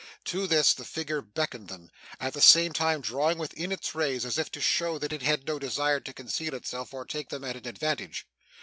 To this, the figure beckoned them; at the same time drawing within its rays, as if to show that it had no desire to conceal itself or take them at an advantage.